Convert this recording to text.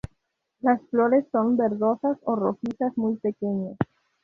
Las flores son verdosas o rojizas, muy pequeñas.